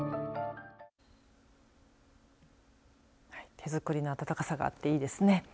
手作りの温かさがあっていいですね。